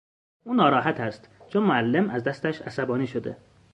او ناراحت است چون معلم از دستش عصبانی شده.